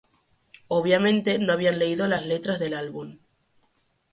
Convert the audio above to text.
Obviamente no habían leído las letras del álbum.